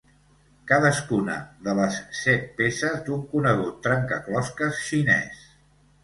Cadascuna de les set peces d'un conegut trencaclosques xinès.